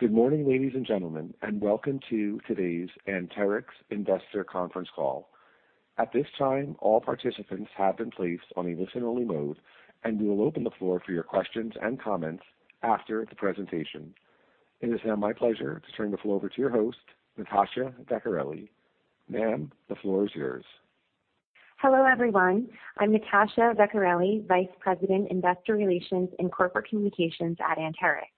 Good morning, ladies and gentlemen, and welcome to today's Anterix investor conference call. At this time, all participants have been placed on a listen-only mode, and we will open the floor for your questions and comments after the presentation. It is now my pleasure to turn the floor over to your host, Natasha Vecchiarelli. Ma'am, the floor is yours. Hello, everyone. I'm Natasha Vecchiarelli, Vice President, Investor Relations and Corporate Communications at Anterix.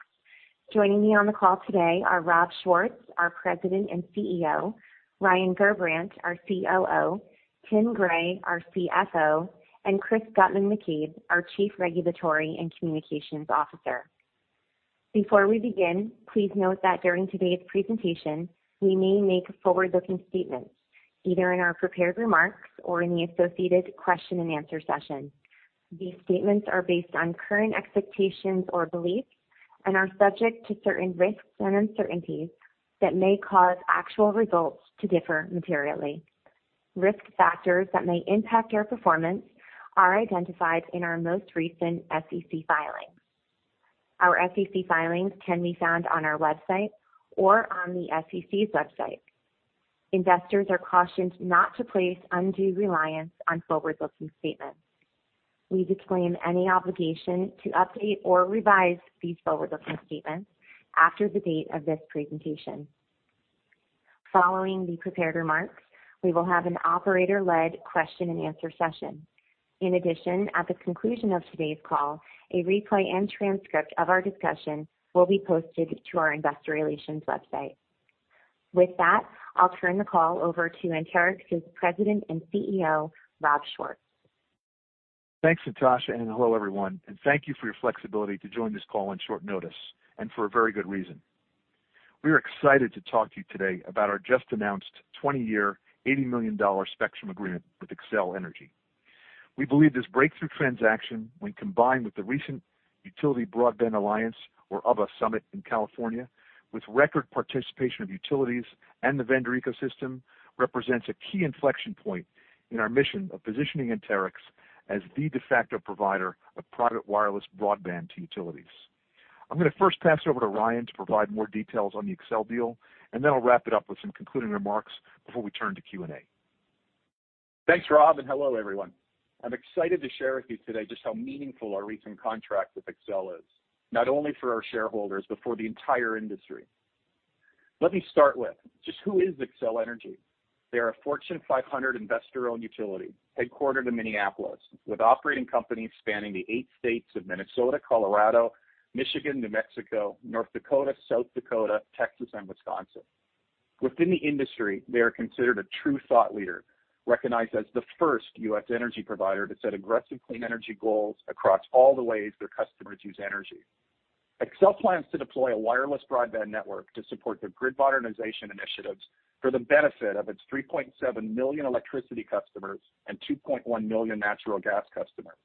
Joining me on the call today are Rob Schwartz, our President and CEO, Ryan Gerbrandt, our COO, Timothy Gray, our CFO, and Chris Guttman-McCabe, our Chief Regulatory and Communications Officer. Before we begin, please note that during today's presentation, we may make forward-looking statements, either in our prepared remarks or in the associated question-and-answer session. These statements are based on current expectations or beliefs and are subject to certain risks and uncertainties that may cause actual results to differ materially. Risk Factors that may impact our performance are identified in our most recent SEC filings. Our SEC filings can be found on our website or on the SEC's website. Investors are cautioned not to place undue reliance on forward-looking statements. We disclaim any obligation to update or revise these forward-looking statements after the date of this presentation. Following the prepared remarks, we will have an operator-led question-and-answer session. In addition, at the conclusion of today's call, a replay and transcript of our discussion will be posted to our investor relations website. With that, I'll turn the call over to Anterix's President and CEO, Rob Schwartz. Thanks, Natasha, and hello, everyone. Thank you for your flexibility to join this call on short notice and for a very good reason. We are excited to talk to you today about our just-announced 20-year, $80 million spectrum agreement with Xcel Energy. We believe this breakthrough transaction, when combined with the recent Utility Broadband Alliance, or UBBA Summit in California, with record participation of utilities and the vendor ecosystem, represents a key inflection point in our mission of positioning Anterix as the de facto provider of private wireless broadband to utilities. I'm gonna first pass it over to Ryan to provide more details on the Xcel deal, and then I'll wrap it up with some concluding remarks before we turn to Q&A. Thanks, Rob, and hello, everyone. I'm excited to share with you today just how meaningful our recent contract with Xcel Energy is, not only for our shareholders, but for the entire industry. Let me start with just who is Xcel Energy. They are a Fortune 500 investor-owned utility, headquartered in Minneapolis, with operating companies spanning the eight states of Minnesota, Colorado, Michigan, New Mexico, North Dakota, South Dakota, Texas, and Wisconsin. Within the industry, they are considered a true thought leader, recognized as the first U.S. energy provider to set aggressive clean energy goals across all the ways their customers use energy. Xcel Energy plans to deploy a wireless broadband network to support their grid modernization initiatives for the benefit of its 3.7 million electricity customers and 2.1 million natural gas customers.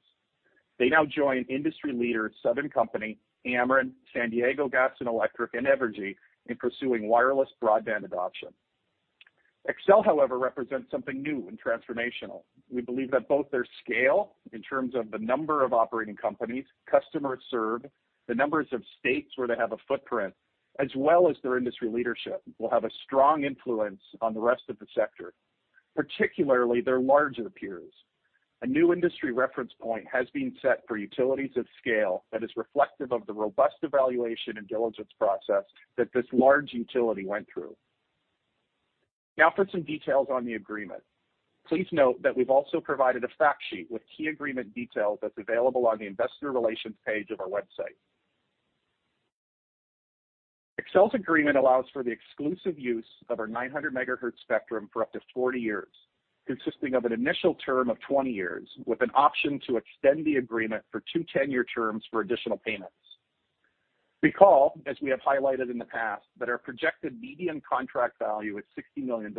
They now join industry leader Southern Company, Ameren, San Diego Gas & Electric, and Evergy in pursuing wireless broadband adoption. Xcel, however, represents something new and transformational. We believe that both their scale in terms of the number of operating companies, customers served, the numbers of states where they have a footprint, as well as their industry leadership, will have a strong influence on the rest of the sector, particularly their larger peers. A new industry reference point has been set for utilities of scale that is reflective of the robust evaluation and diligence process that this large utility went through. Now for some details on the agreement. Please note that we've also provided a fact sheet with key agreement details that's available on the investor relations page of our website. Xcel's agreement allows for the exclusive use of our 900 MHz spectrum for up to 40 years, consisting of an initial term of 20 years, with an option to extend the agreement for two 10-year terms for additional payments. Recall, as we have highlighted in the past, that our projected median contract value is $60 million,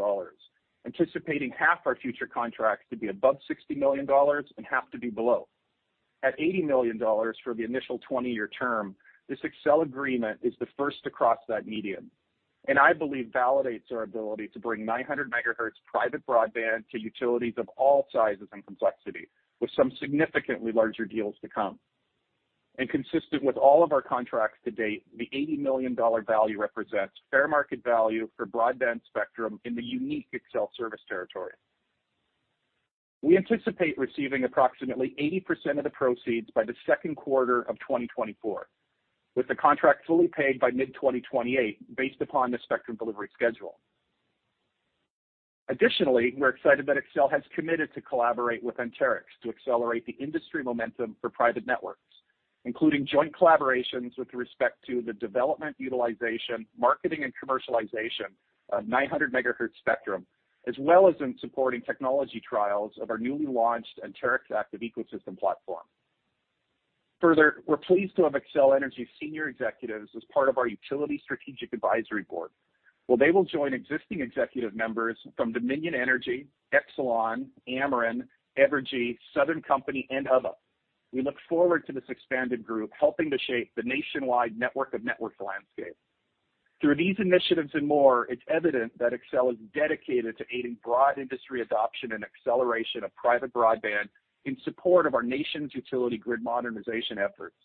anticipating half our future contracts to be above $60 million and half to be below. At $80 million for the initial 20-year term, this Xcel agreement is the first to cross that median, and I believe validates our ability to bring 900 MHz private broadband to utilities of all sizes and complexity, with some significantly larger deals to come. Consistent with all of our contracts to date, the $80 million value represents fair market value for broadband spectrum in the unique Xcel service territory. We anticipate receiving approximately 80% of the proceeds by the second quarter of 2024, with the contract fully paid by mid-2028 based upon the spectrum delivery schedule. Additionally, we're excited that Xcel has committed to collaborate with Anterix to accelerate the industry momentum for private networks, including joint collaborations with respect to the development, utilization, marketing, and commercialization of 900 MHz spectrum, as well as in supporting technology trials of our newly launched Anterix Active Ecosystem platform. Further, we're pleased to have Xcel Energy Senior Executives as part of our Utility Strategic Advisory Board, where they will join existing executive members from Dominion Energy, Exelon, Ameren, Evergy, Southern Company, and other. We look forward to this expanded group helping to shape the nationwide network of networks landscape. Through these initiatives and more, it's evident that Xcel is dedicated to aiding broad industry adoption and acceleration of private broadband in support of our nation's utility grid modernization efforts.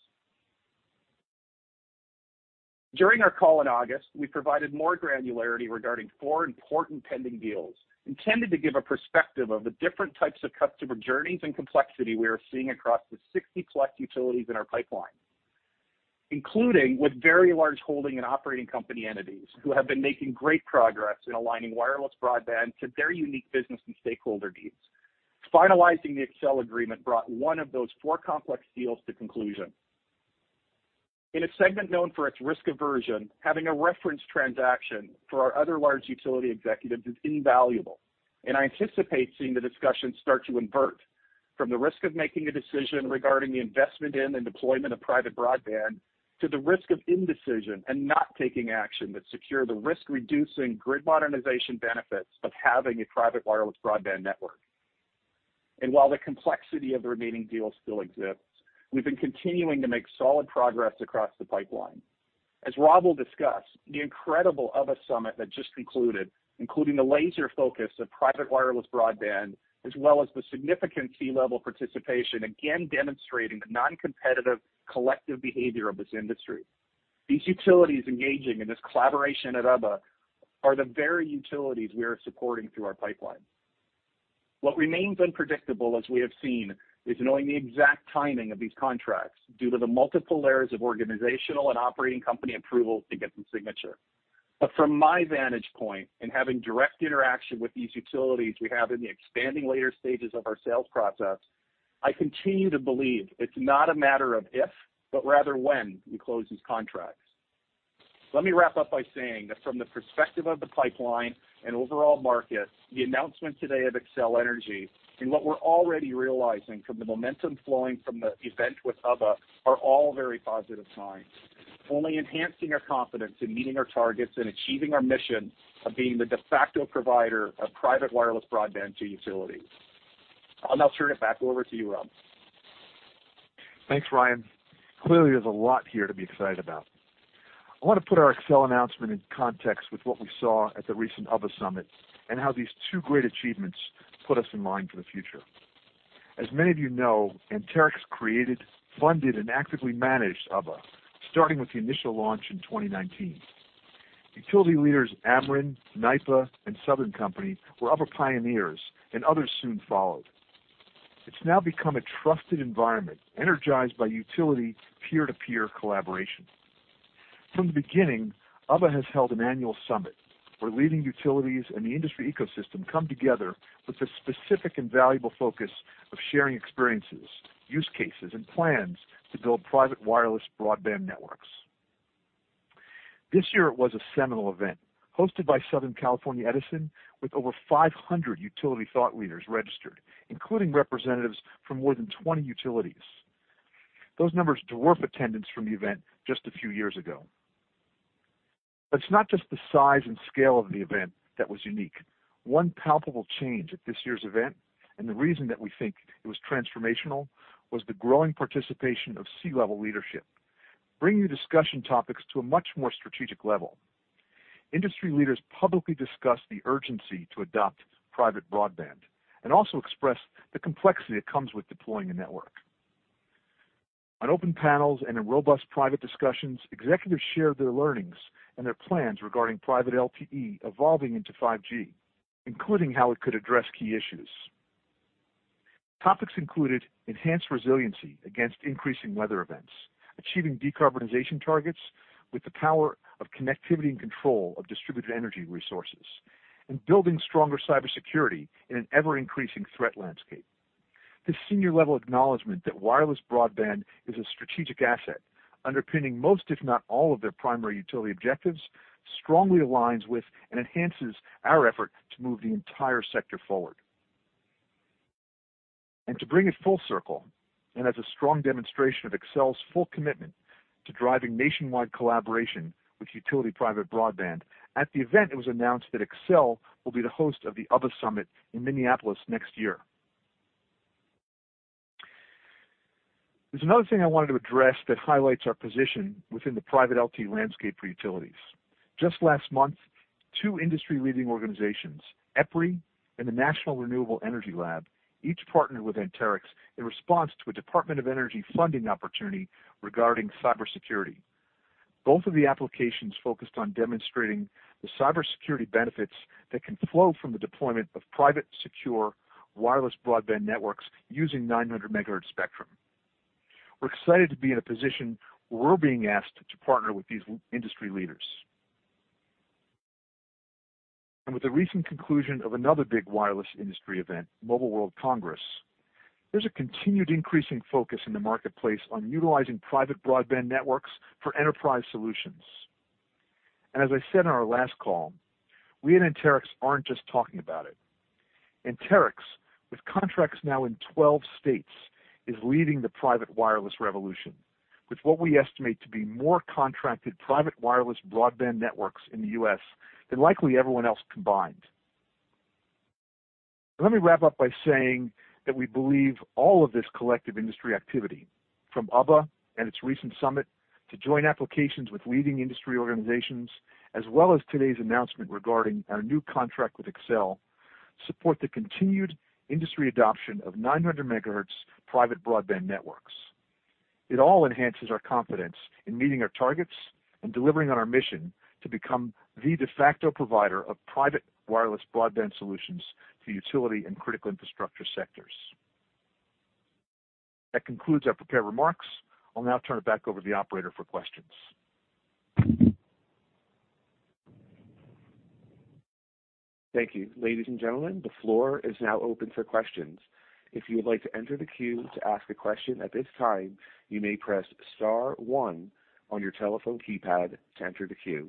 During our call in August, we provided more granularity regarding four important pending deals intended to give a perspective of the different types of customer journeys and complexity we are seeing across the 60+ utilities in our pipeline, including with very large holding and operating company entities who have been making great progress in aligning wireless broadband to their unique business and stakeholder needs. Finalizing the Xcel agreement brought one of those four complex deals to conclusion. In a segment known for its risk aversion, having a reference transaction for our other large utility executives is invaluable, and I anticipate seeing the discussion start to invert from the risk of making a decision regarding the investment in and deployment of private broadband, to the risk of indecision and not taking action that secure the risk-reducing grid modernization benefits of having a private wireless broadband network. While the complexity of the remaining deals still exists, we've been continuing to make solid progress across the pipeline. As Rob will discuss, the incredible other summit that just concluded, including the laser focus of private wireless broadband, as well as the significant C-level participation, again demonstrating the non-competitive collective behavior of this industry. These utilities engaging in this collaboration at UBBA are the very utilities we are supporting through our pipeline. What remains unpredictable, as we have seen, is knowing the exact timing of these contracts due to the multiple layers of organizational and operating company approval to get some signature. From my vantage point, in having direct interaction with these utilities we have in the expanding later stages of our sales process, I continue to believe it's not a matter of if, but rather when we close these contracts. Let me wrap up by saying that from the perspective of the pipeline and overall market, the announcement today of Xcel Energy and what we're already realizing from the momentum flowing from the event with UBBA are all very positive signs, only enhancing our confidence in meeting our targets and achieving our mission of being the de facto provider of private wireless broadband to utilities. I'll now turn it back over to you, Rob. Thanks, Ryan. Clearly, there's a lot here to be excited about. I want to put our Xcel announcement in context with what we saw at the recent UBBA Summit and how these two great achievements put us in line for the future. As many of you know, Anterix created, funded, and actively managed UBBA, starting with the initial launch in 2019. Utility leaders Ameren, NYPA, and Southern Company were UBBA pioneers, and others soon followed. It's now become a trusted environment, energized by utility peer-to-peer collaboration. From the beginning, UBBA has held an annual summit where leading utilities and the industry ecosystem come together with the specific and valuable focus of sharing experiences, use cases, and plans to build private wireless broadband networks. This year, it was a seminal event hosted by Southern California Edison, with over 500 utility thought leaders registered, including representatives from more than 20 utilities. Those numbers dwarf attendance from the event just a few years ago. It's not just the size and scale of the event that was unique. One palpable change at this year's event, and the reason that we think it was transformational, was the growing participation of C-level leadership, bringing the discussion topics to a much more strategic level. Industry leaders publicly discussed the urgency to adopt private broadband and also expressed the complexity that comes with deploying a network. On open panels and in robust private discussions, executives shared their learnings and their plans regarding private LTE evolving into 5G, including how it could address key issues. Topics included enhanced resiliency against increasing weather events, achieving decarbonization targets with the power of connectivity and control of distributed energy resources, and building stronger cybersecurity in an ever-increasing threat landscape. This senior-level acknowledgment that wireless broadband is a strategic asset underpinning most, if not all, of their primary utility objectives strongly aligns with and enhances our effort to move the entire sector forward. To bring it full circle, and as a strong demonstration of Xcel's full commitment to driving nationwide collaboration with utility private broadband, at the event, it was announced that Xcel will be the host of the UBBA Summit in Minneapolis next year. There's another thing I wanted to address that highlights our position within the private LTE landscape for utilities. Just last month, two industry-leading organizations, EPRI and the National Renewable Energy Laboratory, each partnered with Anterix in response to a Department of Energy funding opportunity regarding cybersecurity. Both of the applications focused on demonstrating the cybersecurity benefits that can flow from the deployment of private, secure wireless broadband networks using 900 MHz spectrum. We're excited to be in a position where we're being asked to partner with these industry leaders. With the recent conclusion of another big wireless industry event, Mobile World Congress, there's a continued increasing focus in the marketplace on utilizing private broadband networks for enterprise solutions. As I said on our last call, we at Anterix aren't just talking about it. Anterix, with contracts now in 12 states, is leading the private wireless revolution with what we estimate to be more contracted private wireless broadband networks in the U.S. than likely everyone else combined. Let me wrap up by saying that we believe all of this collective industry activity from UBA and its recent summit to joint applications with leading industry organizations, as well as today's announcement regarding our new contract with Xcel, support the continued industry adoption of 900 MHz private broadband networks. It all enhances our confidence in meeting our targets and delivering on our mission to become the de facto provider of private wireless broadband solutions to utility and critical infrastructure sectors. That concludes our prepared remarks. I'll now turn it back over to the operator for questions. Thank you. Ladies and gentlemen, the floor is now open for questions. If you would like to enter the queue to ask a question at this time, you may press Star one on your telephone keypad to enter the queue.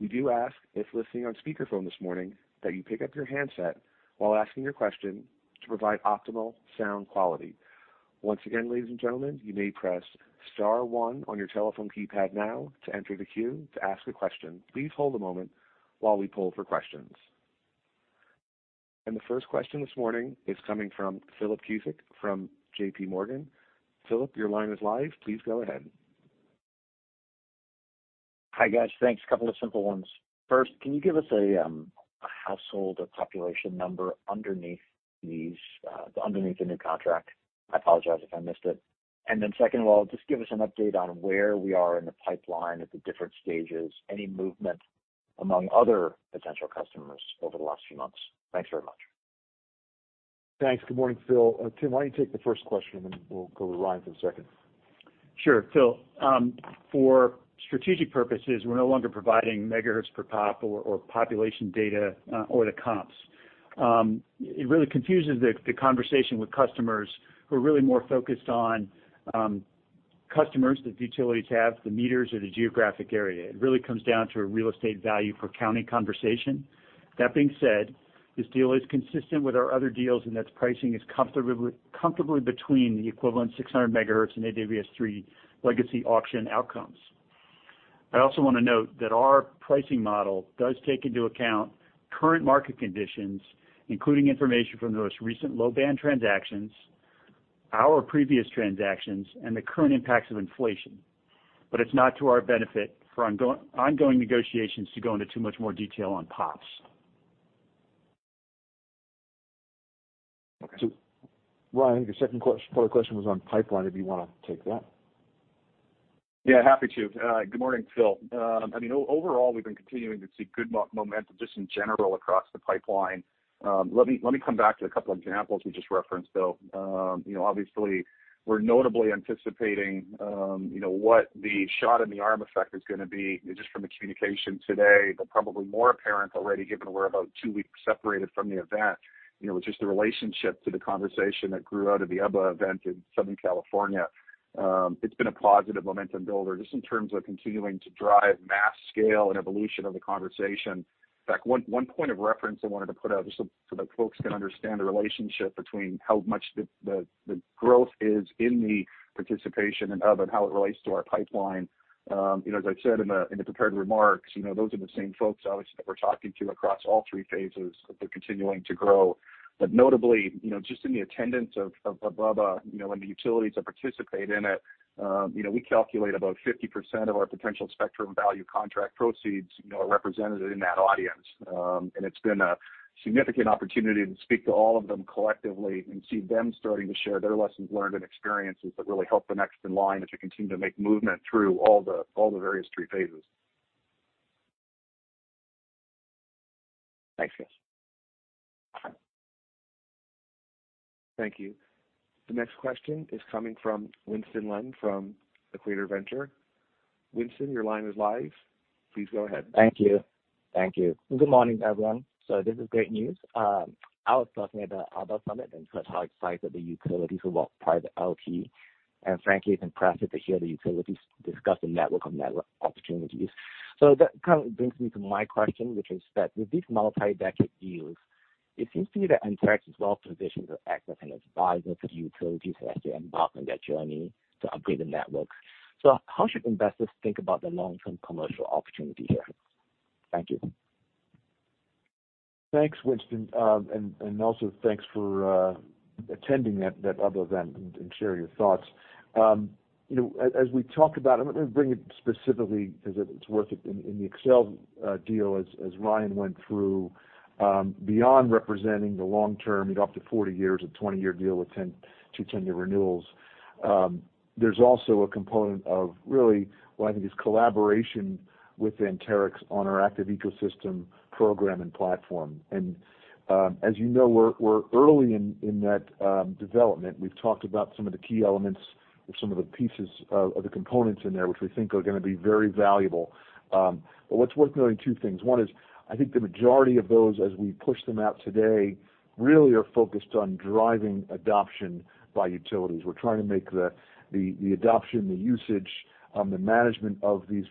We do ask, if listening on speakerphone this morning, that you pick up your handset while asking your question to provide optimal sound quality. Once again, ladies and gentlemen, you may press Star one on your telephone keypad now to enter the queue to ask a question. Please hold a moment while we pull for questions. The first question this morning is coming from Philip Cusick from JPMorgan. Philip, your line is live. Please go ahead. Hi, guys. Thanks. A couple of simple ones. First, can you give us a household or population number underneath these underneath the new contract? I apologize if I missed it. Second of all, just give us an update on where we are in the pipeline at the different stages, any movement among other potential customers over the last few months. Thanks very much. Thanks. Good morning, Phil. Tim, why don't you take the first question, and we'll go to Ryan for the second. Sure. Phil, for strategic purposes, we're no longer providing megahertz per pop or population data or the comps. It really confuses the conversation with customers who are really more focused on customers that the utilities have, the meters or the geographic area. It really comes down to a real estate value per county conversation. That being said, this deal is consistent with our other deals, and its pricing is comfortably between the equivalent 600 MHz and AWS-3 legacy auction outcomes. I also wanna note that our pricing model does take into account current market conditions, including information from the most recent low-band transactions, our previous transactions, and the current impacts of inflation. It's not to our benefit for ongoing negotiations to go into too much more detail on pops. Okay. Ryan, your second follow-up question was on pipeline, if you wanna take that. Yeah, happy to. Good morning, Phil. I mean, overall, we've been continuing to see good momentum just in general across the pipeline. Let me come back to a couple examples we just referenced, though. You know, obviously, we're notably anticipating what the shot in the arm effect is gonna be just from the communication today, but probably more apparent already given we're about two weeks separated from the event, you know, with just the relationship to the conversation that grew out of the UBBA event in Southern California. It's been a positive momentum builder just in terms of continuing to drive mass scale and evolution of the conversation. In fact, one point of reference I wanted to put out just so that folks can understand the relationship between how much the growth is in the participation in UBBA and how it relates to our pipeline. You know, as I've said in the prepared remarks, you know, those are the same folks obviously that we're talking to across all three phases, but they're continuing to grow. Notably, you know, just in the attendance of UBBA, you know, and the utilities that participate in it, you know, we calculate about 50% of our potential spectrum value contract proceeds, you know, are represented in that audience. It's been a significant opportunity to speak to all of them collectively and see them starting to share their lessons learned and experiences that really help the next in line as we continue to make movement through all the various three phases. Thanks, guys. Thank you. The next question is coming from Winston Len from Equator Ventures. Winston, your line is live. Please go ahead. Thank you. Thank you. Good morning, everyone. This is great news. I was talking at the UBBA summit and saw how excited the utilities were about private LTE, and frankly, it's impressive to hear the utilities discuss the network of network opportunities. That kind of brings me to my question, which is that with these multi-decade deals, it seems to me that Anterix is well-positioned to act as an advisor to the utilities as they embark on their journey to upgrade the network. How should investors think about the long-term commercial opportunity here? Thank you. Thanks, Winston. Also thanks for attending that other event and sharing your thoughts. You know, as we talk about, I'm gonna bring it specifically because it's worth it in the Xcel deal as Ryan went through, beyond representing the long-term, you know, up to 40 years, a 20-year deal with two 10-year renewals. There's also a component of really what I think is collaboration with Anterix on our Active Ecosystem program and platform. As you know, we're early in that development. We've talked about some of the key elements or some of the pieces of the components in there, which we think are gonna be very valuable. What's worth noting two things. One is, I think the majority of those, as we push them out today, really are focused on driving adoption by utilities. We're trying to make the adoption, the usage, the management of these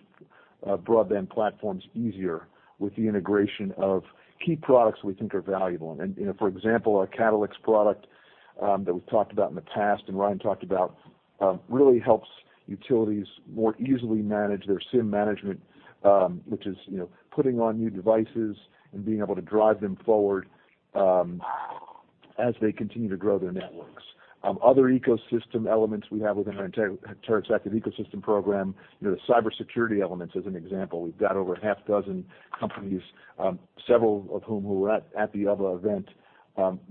broadband platforms easier with the integration of key products we think are valuable. For example, our CatalyX product that we've talked about in the past and Ryan talked about really helps utilities more easily manage their SIM management, which is, you know, putting on new devices and being able to drive them forward as they continue to grow their networks. Other ecosystem elements we have within our entire Anterix Active Ecosystem program, you know, the cybersecurity elements, as an example. We've got over a half dozen companies, several of whom were at the other event,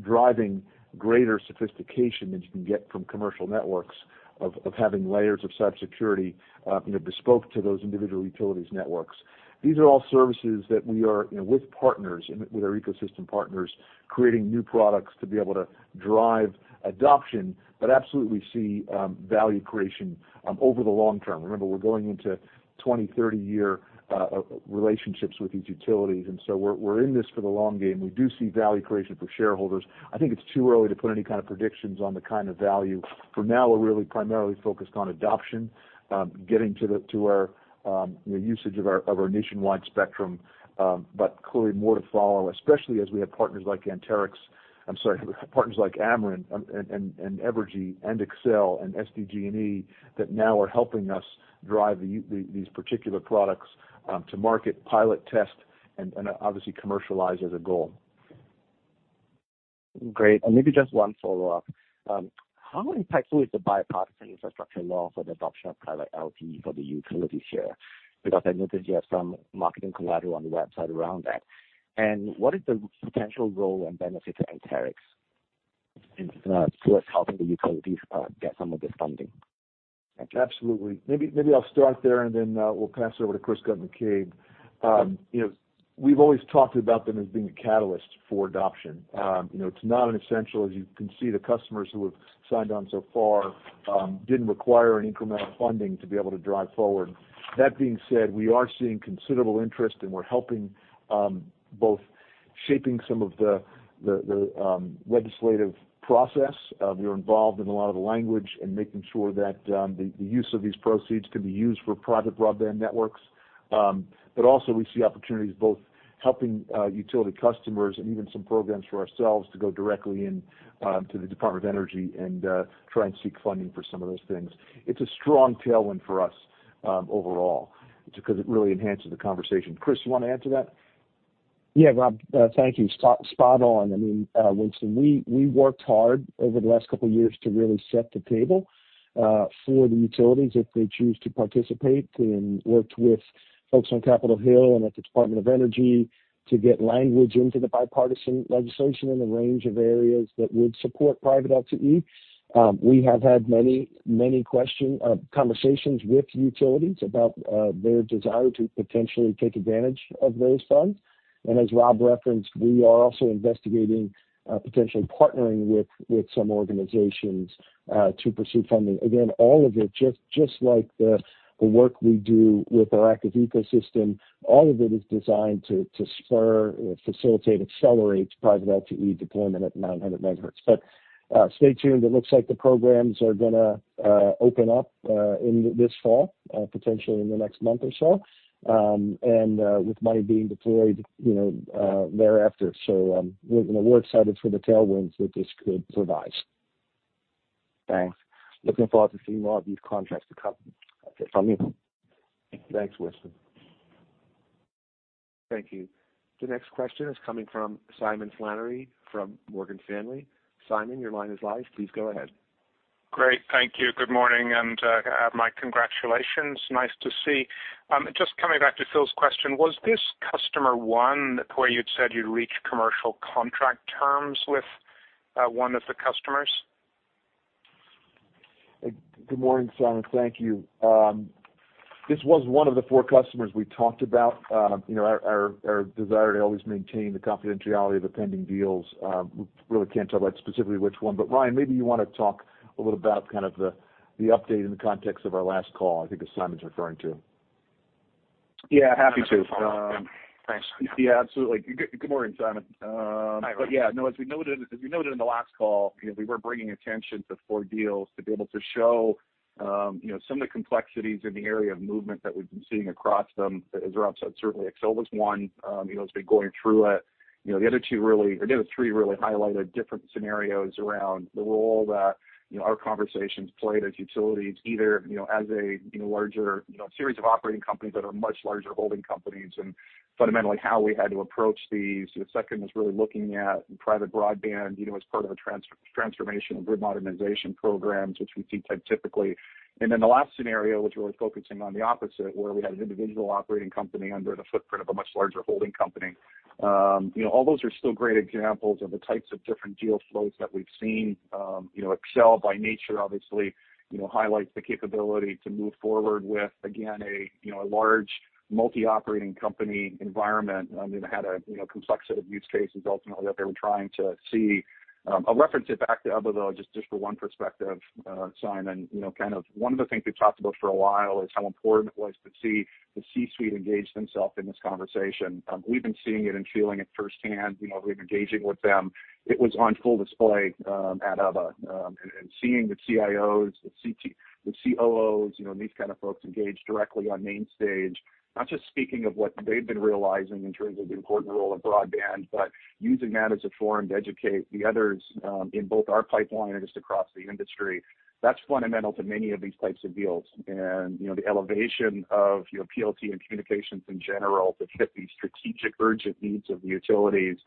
driving greater sophistication that you can get from commercial networks of having layers of cybersecurity, you know, bespoke to those individual utilities networks. These are all services that we are, you know, with partners, and with our ecosystem partners, creating new products to be able to drive adoption, but absolutely see value creation over the long-term. Remember, we're going into 20-30 year relationships with these utilities, and so we're in this for the long game. We do see value creation for shareholders. I think it's too early to put any kind of predictions on the kind of value. For now, we're really primarily focused on adoption, getting to our, you know, usage of our nationwide spectrum. Clearly more to follow, especially as we have partners like Anterix. I'm sorry, partners like Ameren and Evergy and Xcel and SDG&E that now are helping us drive these particular products to market, pilot test and obviously commercialize as a goal. Great. Maybe just one follow-up. How impactful is the Bipartisan Infrastructure Law for the adoption of Private LTE for the utilities here? Because I noticed you have some marketing collateral on the website around that. What is the potential role and benefit to Anterix in towards helping the utilities get some of this funding? Absolutely. Maybe I'll start there, and then we'll pass it over to Chris Guttman-McCabe. You know, we've always talked about them as being a catalyst for adoption. You know, it's not an essential, as you can see, the customers who have signed on so far didn't require any incremental funding to be able to drive forward. That being said, we are seeing considerable interest, and we're helping both shaping some of the legislative process. We are involved in a lot of the language and making sure that the use of these proceeds can be used for private broadband networks. We see opportunities both helping utility customers and even some programs for ourselves to go directly into the Department of Energy and try and seek funding for some of those things. It's a strong tailwind for us, overall just because it really enhances the conversation. Chris, you wanna add to that? Yeah, Rob, thank you. Spot on. I mean, Winston, we worked hard over the last couple years to really set the table for the utilities if they choose to participate and worked with folks on Capitol Hill and at the Department of Energy to get language into the bipartisan legislation in a range of areas that would support private LTE. We have had many conversations with utilities about their desire to potentially take advantage of those funds. As Rob referenced, we are also investigating potentially partnering with some organizations to pursue funding. Again, all of it just like the work we do with our active ecosystem, all of it is designed to spur, facilitate, accelerate private LTE deployment at 900 MHz. Stay tuned. It looks like the programs are gonna open up in this fall, potentially in the next month or so, and with money being deployed, you know, thereafter. You know, we're excited for the tailwinds that this could provide. Thanks. Looking forward to seeing more of these contracts to come from you. Thanks, Winston. Thank you. The next question is coming from Simon Flannery from Morgan Stanley. Simon, your line is live. Please go ahead. Great. Thank you. Good morning, and my congratulations. Nice to see. Just coming back to Philip's question, was this customer one where you'd said you'd reached commercial contract terms with one of the customers? Good morning, Simon. Thank you. This was one of the four customers we talked about. You know, our desire to always maintain the confidentiality of the pending deals, we really can't talk about specifically which one. Ryan, maybe you wanna talk a little about kind of the update in the context of our last call I think that Simon's referring to. Yeah, happy to. Thanks. Yeah, absolutely. Good morning, Simon. Hi, Ryan. Yeah, no, as we noted in the last call, you know, we were bringing attention to four deals to be able to show, you know, some of the complexities in the area of movement that we've been seeing across them. As Rob said, certainly Xcel was one, you know, has been going through it. You know, or the other three really highlighted different scenarios around the role that, you know, our conversations played as utilities, either, you know, as a, you know, larger, you know, series of operating companies that are much larger holding companies and fundamentally how we had to approach these. The second was really looking at private broadband, you know, as part of a transformation and grid modernization programs, which we see typically. Then the last scenario was really focusing on the opposite, where we had an individual operating company under the footprint of a much larger holding company. You know, all those are still great examples of the types of different deal flows that we've seen. You know, Xcel by nature obviously, you know, highlights the capability to move forward with, again, a, you know, a large multi-operating company environment. I mean, had a, you know, complex set of use cases ultimately that they were trying to see. I'll reference it back to other though, just for one perspective, Simon. You know, kind of one of the things we've talked about for a while is how important it was to see the C-suite engage themselves in this conversation. We've been seeing it and feeling it firsthand. You know, we've been engaging with them. It was on full display at other and seeing the CIOs, the CTOs, you know, and these kind of folks engage directly on main stage, not just speaking of what they've been realizing in terms of the important role of broadband, but using that as a forum to educate the others in both our pipeline and just across the industry. That's fundamental to many of these types of deals. You know, the elevation of, you know, private LTE and communications in general to fit the strategic urgent needs of the utilities.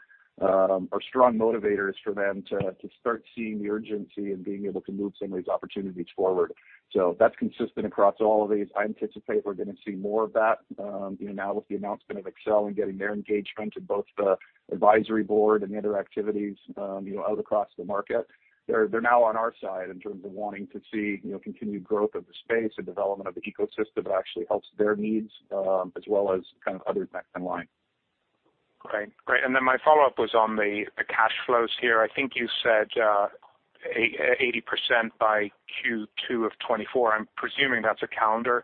Are strong motivators for them to start seeing the urgency and being able to move some of these opportunities forward. That's consistent across all of these. I anticipate we're gonna see more of that, you know, now with the announcement of Xcel Energy and getting their engagement in both the advisory board and the other activities, you know, out across the market. They're now on our side in terms of wanting to see, you know, continued growth of the space and development of the ecosystem that actually helps their needs, as well as kind of other ducks in line. Great. My follow-up was on the cash flows here. I think you said 80% by Q2 of 2024. I'm presuming that's a calendar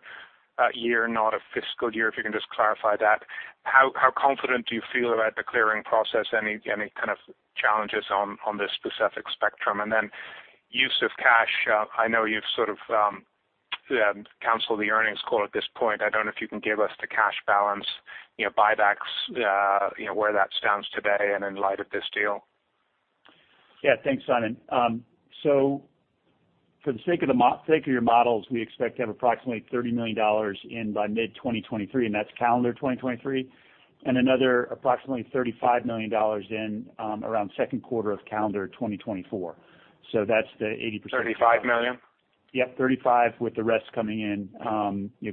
year, not a fiscal year, if you can just clarify that. How confident do you feel about the clearing process? Any kind of challenges on this specific spectrum? Use of cash. I know you've sort of canceled the earnings call at this point. I don't know if you can give us the cash balance, you know, buybacks, you know, where that stands today and in light of this deal. Yeah. Thanks, Simon. For the sake of your models, we expect to have approximately $30 million in by mid-2023, and that's calendar 2023, and another approximately $35 million in around second quarter of calendar 2024. That's the 80%. $35 million? Yep, $35 million, with the rest coming in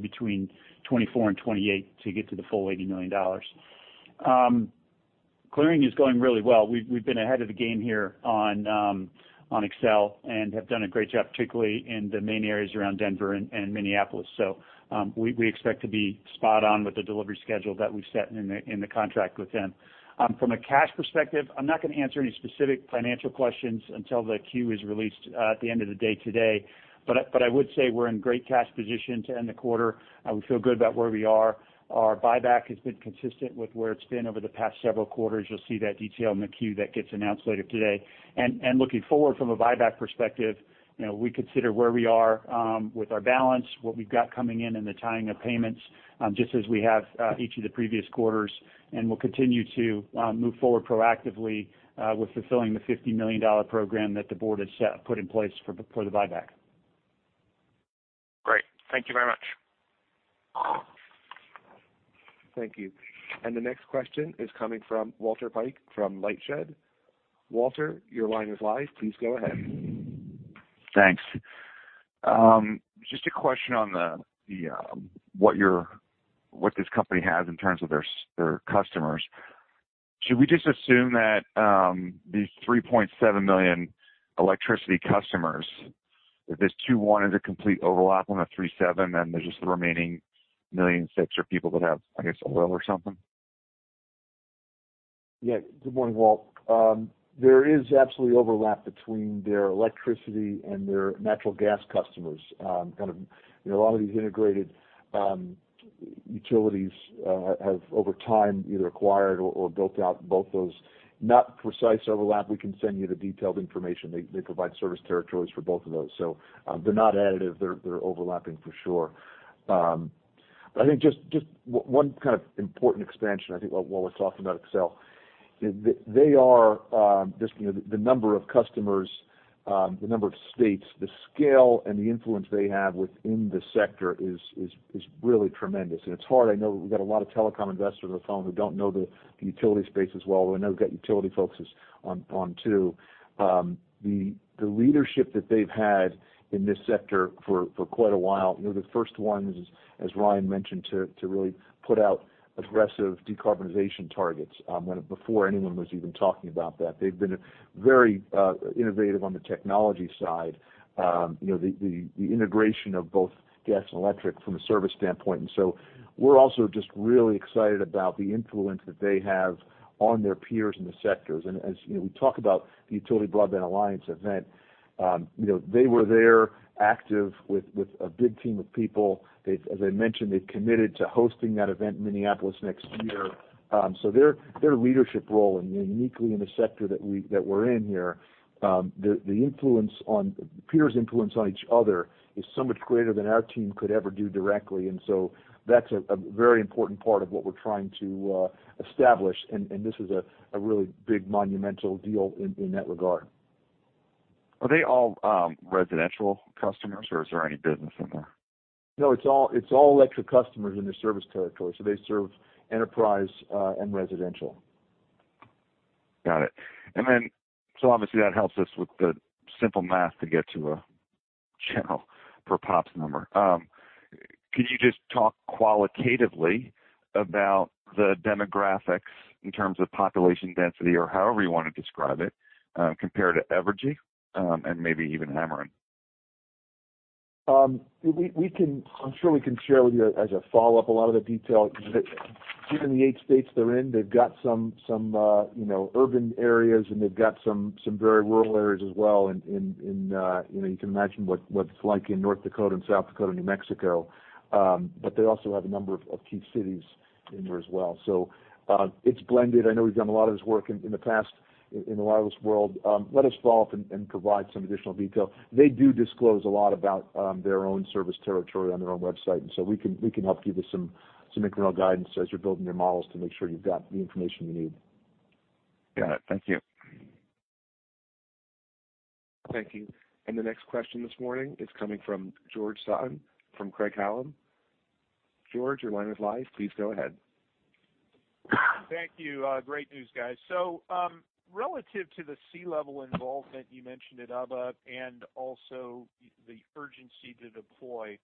between 2024 and 2028 to get to the full $80 million. Clearing is going really well. We've been ahead of the game here on Xcel and have done a great job, particularly in the main areas around Denver and Minneapolis. We expect to be spot on with the delivery schedule that we've set in the contract with them. From a cash perspective, I'm not gonna answer any specific financial questions until the Q is released at the end of the day today, but I would say we're in great cash position to end the quarter, and we feel good about where we are. Our buyback has been consistent with where it's been over the past several quarters. You'll see that detail in the Q that gets announced later today. Looking forward from a buyback perspective, you know, we consider where we are with our balance, what we've got coming in in the timing of payments, just as we have each of the previous quarters. We'll continue to move forward proactively with fulfilling the $50 million program that the board has put in place for the buyback. Great. Thank you very much. Thank you. The next question is coming from Walter Piecyk from LightShed. Walter, your line is live. Please go ahead. Thanks. Just a question on what this company has in terms of their customers. Should we just assume that these 3.7 million electricity customers, if this 2.1 million is a complete overlap on the 3.7 million, then there's just the remaining 1.6 million are people that have, I guess, oil or something? Yeah. Good morning, Walter. There is absolutely overlap between their electricity and their natural gas customers. Kind of, you know, a lot of these integrated utilities have over time either acquired or built out both those. Not precise overlap. We can send you the detailed information. They provide service territories for both of those. So, they're not additive. They're overlapping for sure. But I think just one kind of important expansion, I think, while Walter's talking about Xcel, they are just, you know, the number of customers, the number of states, the scale and the influence they have within the sector is really tremendous. It's hard. I know we've got a lot of telecom investors on the phone who don't know the utility space as well. We know we've got utility focuses on too. The leadership that they've had in this sector for quite a while, they're the first ones, as Ryan mentioned, to really put out aggressive decarbonization targets, before anyone was even talking about that. They've been very innovative on the technology side, you know, the integration of both gas and electric from a service standpoint. We're also just really excited about the influence that they have on their peers in the sectors. As you know, we talk about the Utility Broadband Alliance event. You know, they were there active with a big team of people. As I mentioned, they've committed to hosting that event in Minneapolis next year. Their leadership role and uniquely in the sector that we're in here, the influence on peers' influence on each other is so much greater than our team could ever do directly. That's a very important part of what we're trying to establish. This is a really big monumental deal in that regard. Are they all, residential customers, or is there any business in there? No, it's all electric customers in their service territory, so they serve enterprise, and residential. Got it. Obviously that helps us with the simple math to get to a channel per pops number. Could you just talk qualitatively about the demographics in terms of population density or however you wanna describe it, compared to Evergy, and maybe even Ameren? I'm sure we can share with you as a follow-up a lot of the detail. Given the eight states they're in, they've got some you know, urban areas, and they've got some very rural areas as well in you know, you can imagine what it's like in North Dakota and South Dakota, New Mexico. They also have a number of key cities in there as well. It's blended. I know we've done a lot of this work in the past in a lot of this world. Let us follow up and provide some additional detail. They do disclose a lot about their own service territory on their own website, and so we can help you with some internal guidance as you're building your models to make sure you've got the information you need. Got it. Thank you. Thank you. The next question this morning is coming from George Sutton from Craig-Hallum. George, your line is live. Please go ahead. Thank you. Great news, guys. Relative to the C-level involvement you mentioned at UBBA and also the urgency to deploy,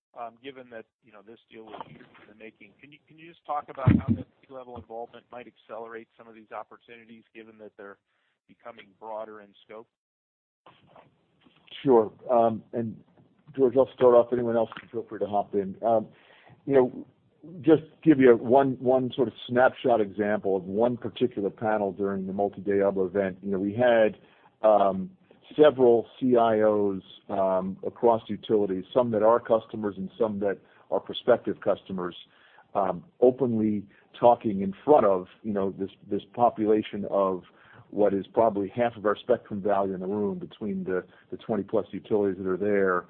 given that, you know, this deal was years in the making, can you just talk about how this C-level involvement might accelerate some of these opportunities given that they're becoming broader in scope? Sure. George, I'll start off. Anyone else can feel free to hop in. You know, just give you one sort of snapshot example of one particular panel during the multi-day UBBA event. You know, we had several CIOs across utilities, some that are customers and some that are prospective customers, openly talking in front of, you know, this population of what is probably half of our spectrum value in the room between the 20+ utilities that are there.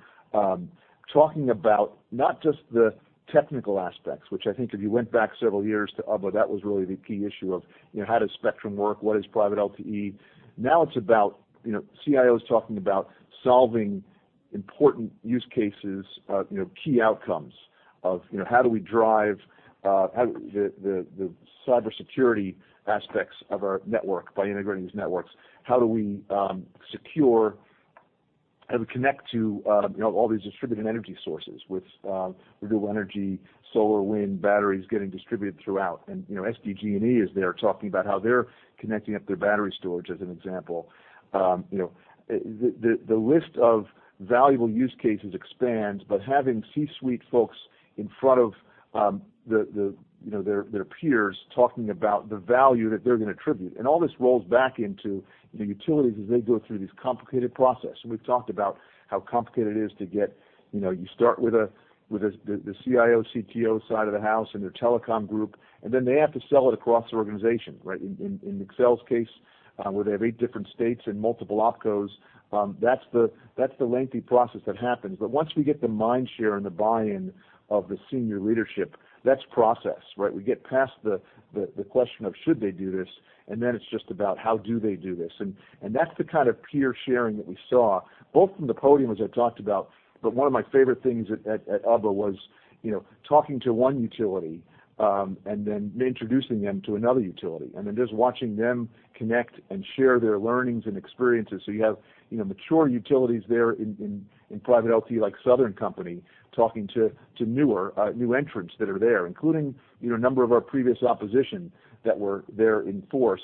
Talking about not just the technical aspects, which I think if you went back several years to UBBA, that was really the key issue of, you know, how does spectrum work, what is private LTE? Now it's about, you know, CIOs talking about solving important use cases, you know, key outcomes of, you know, how do we drive, how the cybersecurity aspects of our network by integrating these networks. How do we secure and connect to, you know, all these distributed energy sources with renewable energy, solar, wind, batteries getting distributed throughout. You know, SDG&E is there talking about how they're connecting up their battery storage, as an example. You know, the list of valuable use cases expands, but having C-suite folks in front of, you know, their peers talking about the value that they're gonna attribute. All this rolls back into the utilities as they go through this complicated process. We've talked about how complicated it is to get you know, you start with the CIO, CTO side of the house and their telecom group, and then they have to sell it across the organization, right? In Xcel's case, where they have eight different states and multiple OpCo, that's the lengthy process that happens. Once we get the mind share and the buy-in of the senior leadership, that's process, right? We get past the question of should they do this, and then it's just about how do they do this. That's the kind of peer sharing that we saw, both from the podium, as I talked about, but one of my favorite things at UBBA was, you know, talking to one utility, and then introducing them to another utility, and then just watching them connect and share their learnings and experiences. You have, you know, mature utilities there in private LTE like Southern Company talking to newer new entrants that are there, including, you know, a number of our previous opposition that were there in force,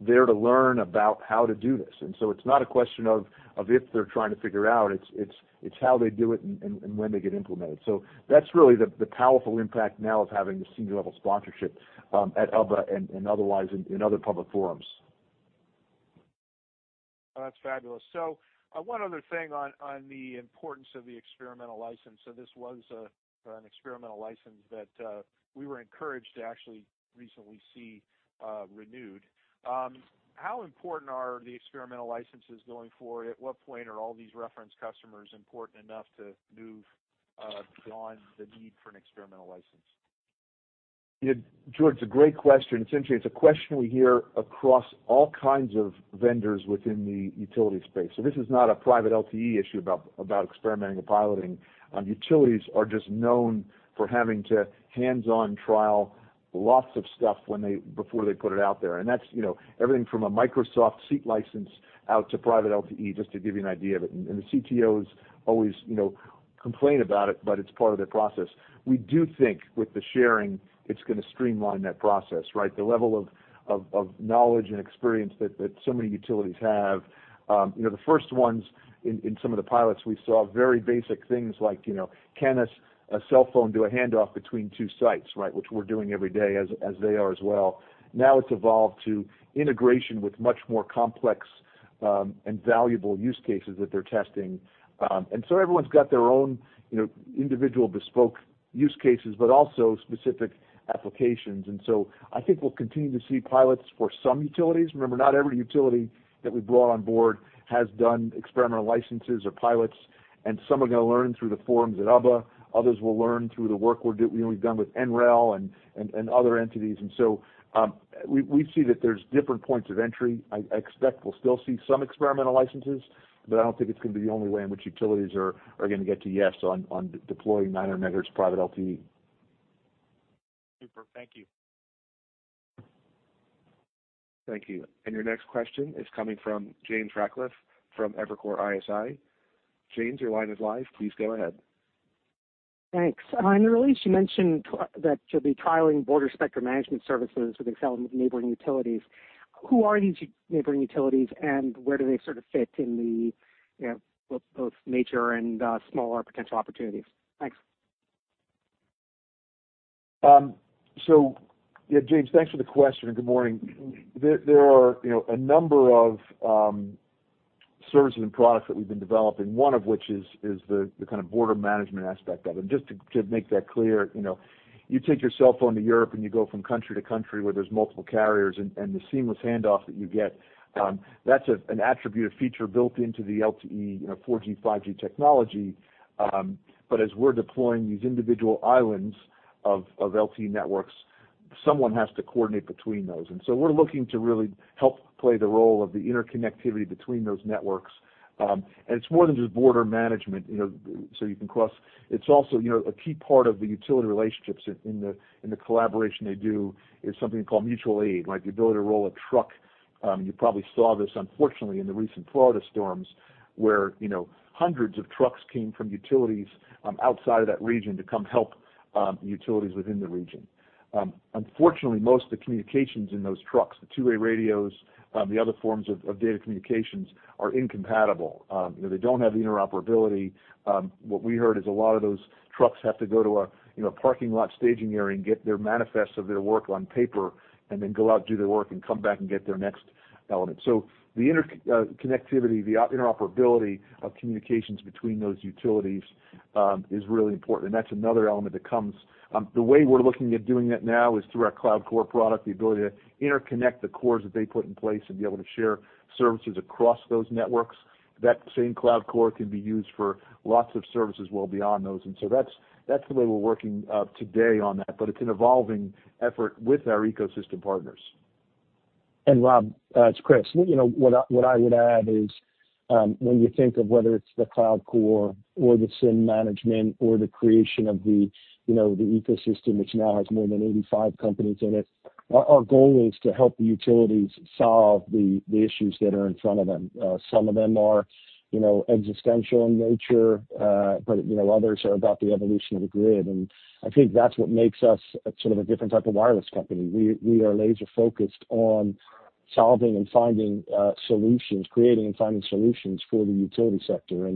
there to learn about how to do this. It's not a question of if they're trying to figure out, it's how they do it and when they get implemented. That's really the powerful impact now of having the senior level sponsorship at UBBA and otherwise in other public forums. That's fabulous. One other thing on the importance of the experimental license. This was an experimental license that we were encouraged to actually recently see renewed. How important are the experimental licenses going forward? At what point are all these reference customers important enough to move beyond the need for an experimental license? Yeah, George, it's a great question. Essentially, it's a question we hear across all kinds of vendors within the utility space. This is not a private LTE issue about experimenting and piloting. Utilities are just known for having to hands-on trial lots of stuff before they put it out there. That's, you know, everything from a Microsoft seat license out to private LTE, just to give you an idea of it. The CTOs always, you know, complain about it, but it's part of their process. We do think with the sharing, it's gonna streamline that process, right? The level of knowledge and experience that so many utilities have. You know, the first ones in some of the pilots, we saw very basic things like, you know, can a cell phone do a handoff between two sites, right? Which we're doing every day as they are as well. Now it's evolved to integration with much more complex and valuable use cases that they're testing. Everyone's got their own, you know, individual bespoke use cases, but also specific applications. I think we'll continue to see pilots for some utilities. Remember, not every utility that we've brought on board has done experimental licenses or pilots, and some are gonna learn through the forums at UBBA, others will learn through the work you know, we've done with NREL and other entities. We see that there's different points of entry. I expect we'll still see some experimental licenses, but I don't think it's gonna be the only way in which utilities are gonna get to yes on deploying 900 MHz private LTE. Super. Thank you. Thank you. Your next question is coming from James Ratcliffe from Evercore ISI. James, your line is live. Please go ahead. Thanks. In your release, you mentioned that you'll be trialing border spectrum management services with Xcel and with neighboring utilities. Who are these neighboring utilities, and where do they sort of fit in the, you know, both nature and smaller potential opportunities? Thanks. Yeah, James, thanks for the question, and good morning. There are, you know, a number of services and products that we've been developing, one of which is the kind of border management aspect of it. Just to make that clear, you know, you take your cell phone to Europe and you go from country to country where there's multiple carriers and the seamless handoff that you get, that's an attribute, a feature built into the LTE, you know, 4G, 5G technology. As we're deploying these individual islands of LTE networks. Someone has to coordinate between those. We're looking to really help play the role of the interconnectivity between those networks. It's more than just border management, you know, so you can cross. It's also, you know, a key part of the utility relationships in the collaboration they do is something called mutual aid. Like the ability to roll a truck. You probably saw this, unfortunately, in the recent Florida storms where, you know, hundreds of trucks came from utilities outside of that region to come help utilities within the region. Unfortunately, most of the communications in those trucks, the two-way radios, the other forms of data communications are incompatible. You know, they don't have the interoperability. What we heard is a lot of those trucks have to go to a, you know, parking lot staging area and get their manifests of their work on paper and then go out, do their work, and come back and get their next element. Connectivity, the interoperability of communications between those utilities, is really important, and that's another element that comes. The way we're looking at doing that now is through our cloud core product, the ability to interconnect the cores that they put in place and be able to share services across those networks. That same cloud core can be used for lots of services well beyond those. That's the way we're working today on that. It's an evolving effort with our ecosystem partners. Rob, it's Chris. You know, what I would add is, when you think of whether it's the cloud core or the SIM management or the creation of, you know, the ecosystem, which now has more than 85 companies in it, our goal is to help the utilities solve the issues that are in front of them. Some of them are, you know, existential in nature, but you know, others are about the evolution of the grid. I think that's what makes us sort of a different type of wireless company. We are laser-focused on solving and finding solutions, creating and finding solutions for the utility sector.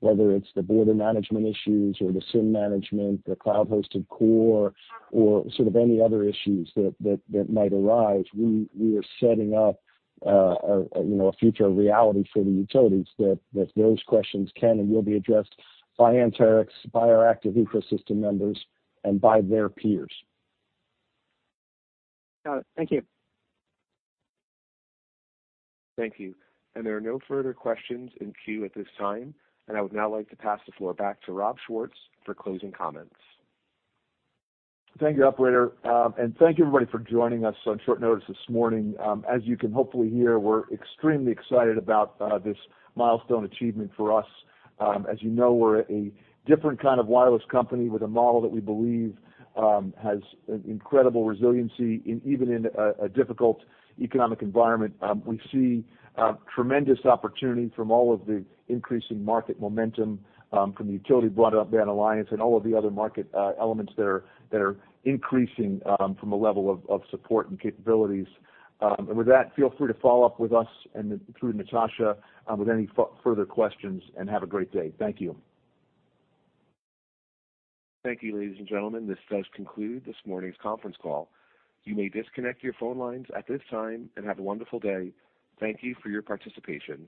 Whether it's the border management issues or the SIM management, the cloud-hosted core, or sort of any other issues that might arise, we are setting up, you know, a future reality for the utilities that those questions can and will be addressed by Anterix, by our active ecosystem members, and by their peers. Got it. Thank you. Thank you. There are no further questions in queue at this time, and I would now like to pass the floor back to Rob Schwartz for closing comments. Thank you, operator. Thank you, everybody, for joining us on short notice this morning. As you can hopefully hear, we're extremely excited about this milestone achievement for us. As you know, we're a different kind of wireless company with a model that we believe has an incredible resiliency even in a difficult economic environment. We see tremendous opportunity from all of the increasing market momentum from the Utility Broadband Alliance and all of the other market elements that are increasing from a level of support and capabilities. With that, feel free to follow-up with us and through Natasha with any further questions, and have a great day. Thank you. Thank you, ladies and gentlemen. This does conclude this morning's conference call. You may disconnect your phone lines at this time and have a wonderful day. Thank you for your participation.